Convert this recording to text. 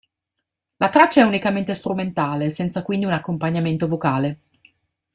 La traccia è unicamente strumentale, senza quindi un accompagnamento vocale.